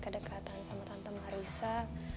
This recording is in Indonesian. kedekatan sama tante marissa